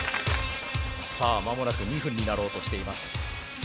さあ間もなく２分になろうとしています。